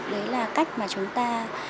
đấy là cách mà chúng ta